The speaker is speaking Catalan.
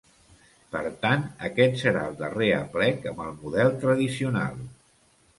Per tant, aquest serà el darrer aplec amb el model tradicional.